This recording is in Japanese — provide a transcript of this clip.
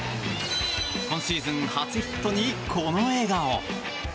今シーズン初ヒットにこの笑顔。